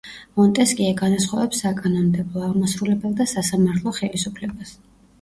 მონტესკიე განასხვავებს საკანონმდებლო, აღმასრულებელ და სასამართლო ხელისუფლებას.